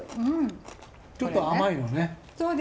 ちょっと甘いよね。